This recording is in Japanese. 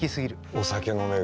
お酒飲める。